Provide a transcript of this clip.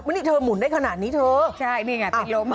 นี่เธอหมุนได้ขนาดนี้เธอใช่นี่ไงเป็นลมอ่ะ